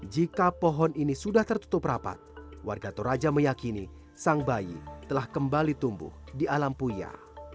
jika pohon ini sudah tertutup rapat warga toraja meyakini sang bayi telah kembali tumbuh di alam puya